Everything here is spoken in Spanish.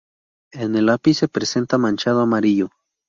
En el ápice presenta manchado amarillo.